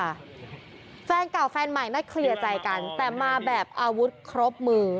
แฟนเคลื่อนที่เก่าแฟนใหม่น่ะเคลียร์ใจกันแต่มาแบบอาวุธครบมือ